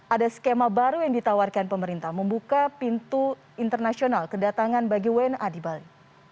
ada skema baru yang ditawarkan pemerintah membuka pintu internasional kedatangan bagi wna di bali